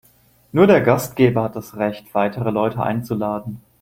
Nur der Gastgeber hat das Recht, weitere Leute einzuladen.